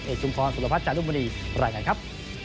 เอชชุมพรสุรพัฒน์จันทร์ธรรมดีรายการครับ